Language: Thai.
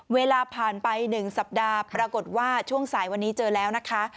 เวลาผ่านไป๑สัปดาห์ปรากฏว่าช่วงสายวันนี้เจอแล้วนะคะ